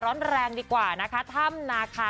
ร้อนแรงดีกว่านะคะถ้ำนาคา